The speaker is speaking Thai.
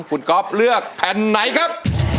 คุณก๊อฟเลือกแผ่นไหนครับ